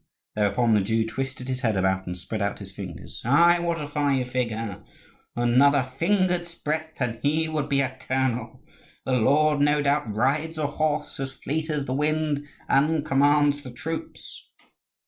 Thereupon the Jew twisted his head about and spread out his fingers. "Ai, what a fine figure! Another finger's breadth and he would be a colonel. The lord no doubt rides a horse as fleet as the wind and commands the troops!"